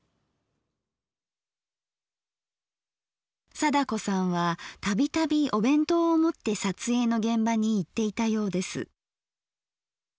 貞子さんは度々お弁当を持って撮影の現場に行っていたようです。